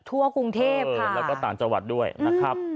ทั่วกรุงเทพแล้วก็ต่างจังหวัดด้วยนะครับ